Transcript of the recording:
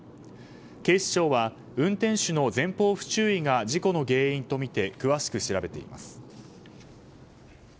警視庁は、運転手の前方不注意が事故の原因とみて詳しく調べています。